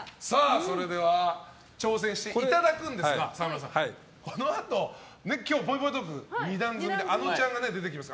それでは挑戦していただくんですがこのあと、今日ぽいぽいトーク２段積みであのちゃんが出てきます。